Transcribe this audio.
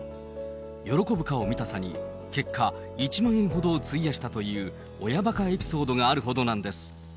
喜ぶ顔を見たさに、結果、１万円ほどを費やしたという親ばかエピソードがあるほどなんです。